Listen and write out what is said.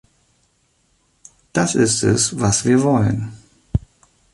Das ist es, was wir wollen.